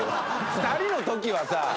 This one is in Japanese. ２人の時はさ